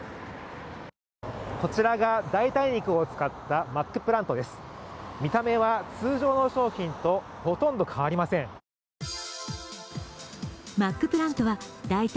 こちらが代替肉を使ったマックプラントです。